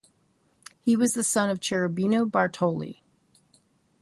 He was the son of Cherubino Bartoli.